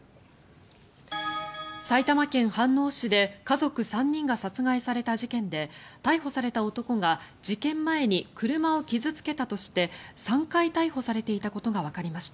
埼玉県飯能市で家族３人が殺害された事件で逮捕された男が、事件前に車を傷付けたとして３回逮捕されていたことがわかりました。